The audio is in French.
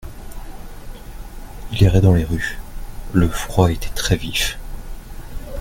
Il errait dans les rues, le froid était très-vif.